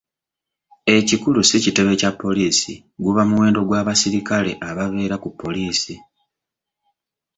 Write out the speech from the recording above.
Ekikulu si kitebe kya poliisi, guba muwendo gwa basirikale ababeera ku poliisi.